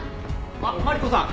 あっマリコさん。